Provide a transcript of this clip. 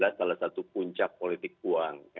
dua ribu lima belas salah satu puncak politik uang